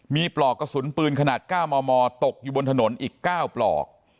มีปลอกกระสุนปืนขนาดก้าวมอมอตกอยู่บนถนนอีกเก้าปลอก